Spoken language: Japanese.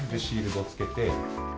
シールドつけて。